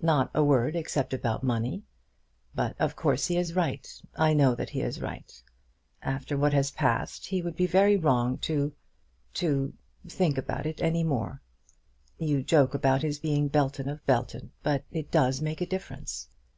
"Not a word except about money! But of course he is right. I know that he is right. After what has passed he would be very wrong to to think about it any more. You joke about his being Belton of Belton. But it does make a difference."